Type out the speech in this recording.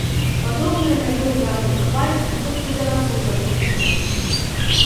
Падобныя мяжы ўдарных хваль могуць назірацца ў зямных умовах.